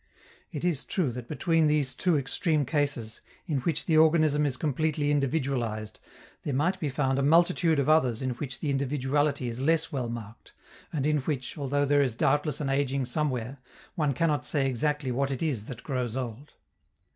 It is true that between these two extreme cases, in which the organism is completely individualized, there might be found a multitude of others in which the individuality is less well marked, and in which, although there is doubtless an ageing somewhere, one cannot say exactly what it is that grows old.